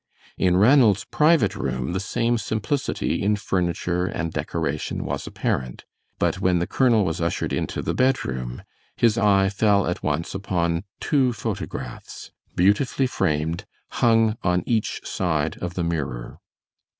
In Ranald's private room the same simplicity in furniture and decoration was apparent, but when the colonel was ushered into the bedroom his eye fell at once upon two photographs, beautifully framed, hung on each side of the mirror.